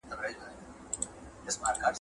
شاه شجاع له نورو پاچاهانو سره معامله نه شي کولای.